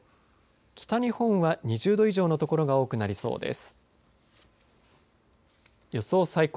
北日本は２０度以上の所が多くなりそうです。